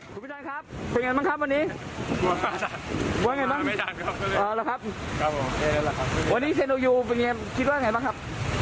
ขอบคุณมิทราครับ